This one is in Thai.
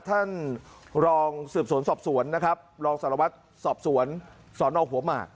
ท่านรองสืบสวนสอบสวนนะครับรองสารวัตรสอบสวนสนหัวหมาก